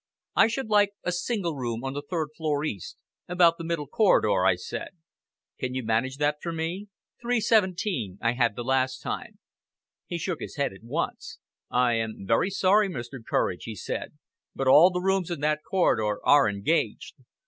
"I should like a single room on the third floor east, about the middle corridor," I said. "Can you manage that for me? 317 I had last time." He shook his head at once. "I am very sorry, Mr. Courage," he said, "but all the rooms in that corridor are engaged.